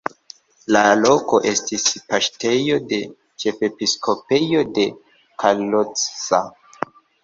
La loko estis paŝtejo de ĉefepiskopejo de Kalocsa.